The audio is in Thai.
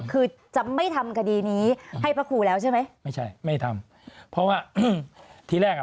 คือจะไม่ทำคดีนี้ให้พระครูแล้วใช่ไหมไม่ใช่ไม่ทำเพราะว่าอืมทีแรกอ่ะ